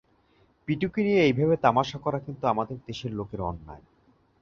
পিটুকে নিয়ে এইভাবে তামাশা করা কিন্তু আমাদের দেশের লোকের অন্যায়।